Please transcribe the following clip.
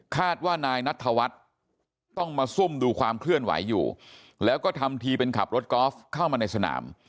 คาดว่านายนัทธวัฒน์ต้องมาซุ่มดูความเคลื่อนไหวอยู่แล้วก็ทำทีเป็นขับรถกอล์ฟเข้ามาในสนาม